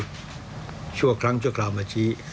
พอที่พอคลั้งช่วยคราวมาชี้